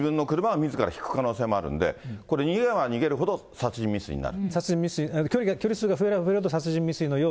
自分の車はみずからひく可能性はあるので、これ、逃げれば逃げるほど殺人未遂になる。